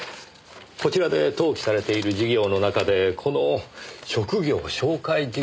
こちらで登記されている事業の中でこの職業紹介事業。